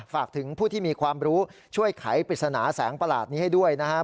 ฝากถึงผู้ที่มีความรู้ช่วยไขปริศนาแสงประหลาดนี้ให้ด้วยนะครับ